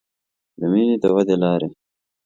د مینې د ودې لارې